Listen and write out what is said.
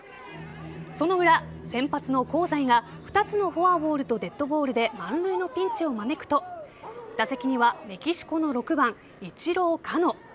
その裏、先発の香西が２つのフォアボールとデッドボールで満塁のピンチを招くと打席にはメキシコの６番イチロー・カノ。